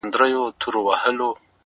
• د قاضي مخي ته ټول حاضرېدله,